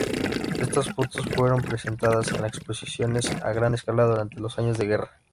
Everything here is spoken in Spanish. Estas fotos fueron presentadas en exposiciones a gran escala durante los años de guerra.